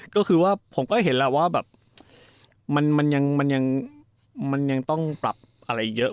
ก็คือว่าผมก็เห็นแล้วว่าแบบมันยังต้องปรับอะไรเยอะ